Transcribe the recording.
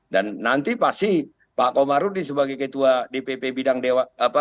dan nanti pasti pak komarudi sebagai ketua dpp bidang dewa apa